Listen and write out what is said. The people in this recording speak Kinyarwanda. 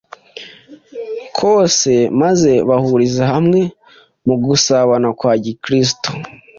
kose maze bahuriza hamwe mu gusabana kwa Gikristo.